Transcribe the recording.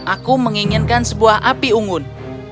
aku menginginkan sebuah api unggun